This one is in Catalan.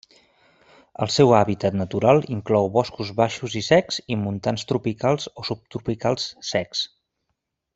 El seu hàbitat natural inclou boscos baixos i secs i montans tropicals o subtropicals secs.